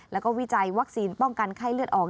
แล้วก็วิจัยวัคซีนป้องกันไข้เลือดออก